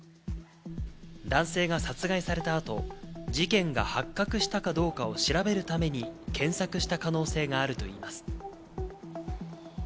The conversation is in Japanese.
男性が殺害された後、事件が発覚したかどうかを調べるために検索した可能性があるといいます。